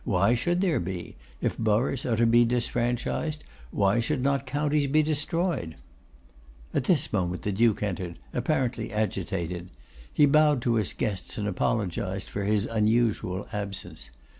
Why should there be? If boroughs are to be disfranchised, why should not counties be destroyed?' At this moment the Duke entered, apparently agitated. He bowed to his guests, and apologised for his unusual absence.